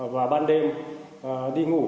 vào ban đêm đi ngủ